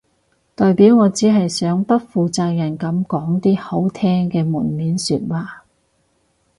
代表我只係想不負責任噉講啲好聽嘅門面說話